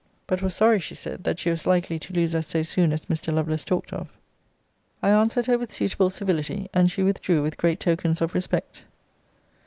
But was sorry, she said, that she was likely to lose us so soon as Mr. Lovelace talked of. I answered her with suitable civility; and she withdrew with great tokens of respect.